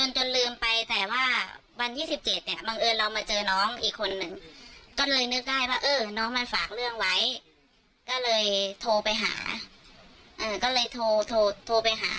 จนลืมไปแต่ว่าวันที่๑๗เนี่ยบังเอิญเรามาเจอน้องอีกคนนึงก็เลยนึกได้ว่าเออน้องมันฝากเรื่องไว้ก็เลยโทรไปหาก็เลยโทรไปหา